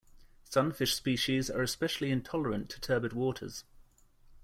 Sunfish species are especially intolerant to turbid waters.